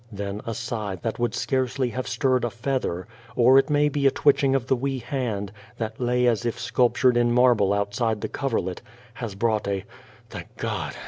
Then a sigh that would scarcely have stirred a feather, or it may be a twitching of the wee hand, that lay as if sculptured in marble outside the coverlet, has brought a " Thank God